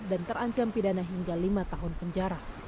dan terancam pidana hingga lima tahun penjara